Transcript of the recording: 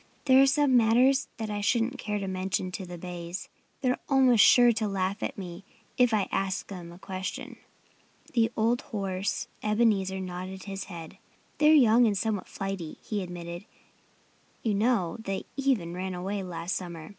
There are some matters that I shouldn't care to mention to the bays. They're almost sure to laugh at me if I ask them a question." The old horse Ebenezer nodded his head. "They're young and somewhat flighty," he admitted. "You know, they even ran away last summer.